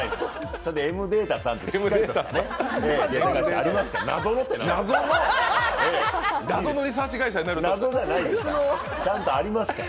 ちゃんとエムデータさんってありますから。